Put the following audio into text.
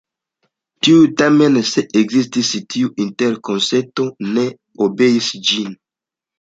Tiuj tamen se ekzistis tiu interkonsento ne obeis ĝin.